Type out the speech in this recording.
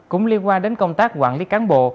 cũng liên quan đến công tác quản lý cán bộ